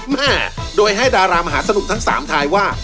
แม่โดยให้ดารามหาสนุกทั้ง๓ทายว่า